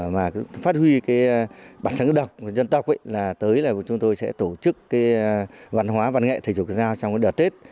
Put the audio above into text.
mà phát huy bản thân độc của dân tộc tới là chúng tôi sẽ tổ chức văn hóa văn nghệ thể dục giao trong đợt tết